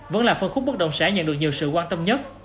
vẫn là phân khúc bất động sản nhận được nhiều sự quan tâm nhất